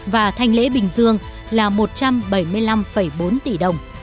và thanh lễ bình dương là một trăm bảy mươi năm bốn tỷ đồng